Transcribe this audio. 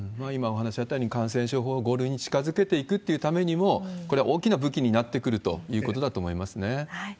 今お話あったように、感染症法を５類に近づけていくというためにも、これは大きな武器になってくるということだと思いますね。